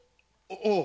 おう！